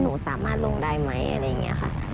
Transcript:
หนูสามารถลงได้ไหมอะไรอย่างนี้ค่ะ